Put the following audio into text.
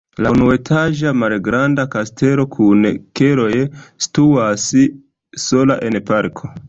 La unuetaĝa malgranda kastelo kun keloj situas sola en parko.